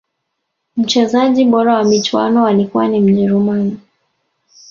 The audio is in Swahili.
mchezaji bora wa michuano alikuwa ni mjeruman